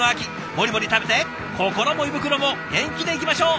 モリモリ食べて心も胃袋も元気でいきましょう。